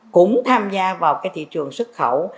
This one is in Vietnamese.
cũng tham gia vào thị trường xuất khẩu